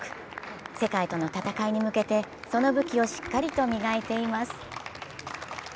世界との戦いに向けて、その武器をしっかりと磨いています。